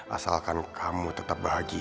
asalkan kamu tetap bahagia